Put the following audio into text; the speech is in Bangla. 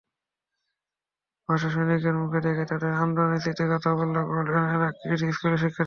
ভাষাসৈনিকদের মুখ থেকে তাঁদের আন্দোলনের স্মৃতিকথা শুনল গোল্ডেন এরা কিডস স্কুলের শিক্ষার্থীরা।